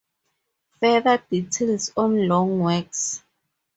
Further details on long works.